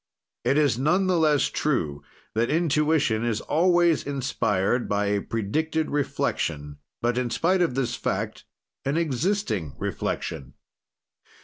It is none the less true that intuition is always inspired by a predicted reflection, but, in spite of this fact, an existing reflection.